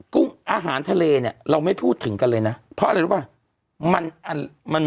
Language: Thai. อาหารทะเลเนี่ยเราไม่พูดถึงกันเลยนะเพราะอะไรรู้ป่ะ